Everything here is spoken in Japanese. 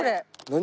何？